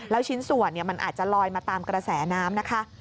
แล้วชิ้นส่วนมันอาจจะลอยมาตามกระแสน้ำนะคะ